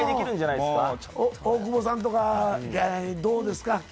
どうですか？